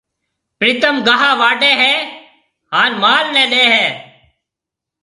پرتم گاها واڍيَ هيَ هانَ مال نَي ڏَي هيَ۔